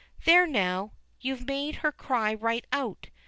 "There now! you've made her cry right out!